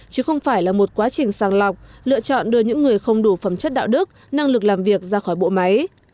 chứ không phải là một quá trình sàng lọc lựa chọn đưa những người không đủ phẩm chất đạo đức năng lực làm việc ra khỏi bộ máy